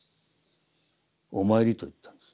「お参り」と言ったんです。